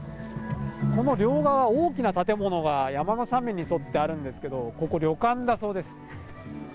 この両側、大きな建物が山の斜面に沿ってあるんですけど、ここ、旅館だそうです。